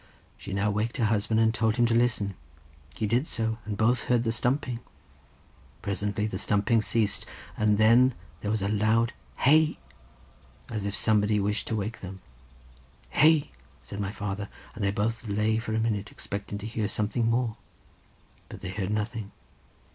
She now waked her husband and told him to listen. He did so, and both heard the stumping. Presently, the stumping ceased, and then there was a loud "Hey!" as if somebody wished to wake them. "Hey!" said my father, and they both lay for a minute, expecting to hear something more, but they heard nothing.